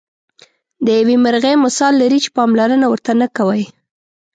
د یوې مرغۍ مثال لري چې پاملرنه ورته نه کوئ.